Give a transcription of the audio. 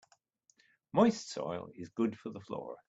Moist soil is good for the flora.